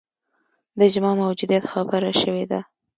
د اجماع موجودیت خبره شوې ده